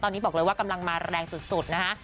ตอนนี้บอกเลยว่ากำลังมาแรงสุดนะฮะ